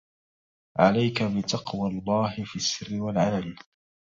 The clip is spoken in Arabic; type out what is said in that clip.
عليك بتقوى الله في السر والعلن